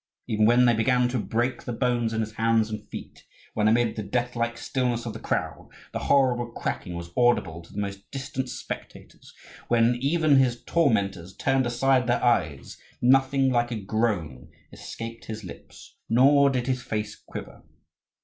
Even when they began to break the bones in his hands and feet, when, amid the death like stillness of the crowd, the horrible cracking was audible to the most distant spectators; when even his tormentors turned aside their eyes, nothing like a groan escaped his lips, nor did his face quiver.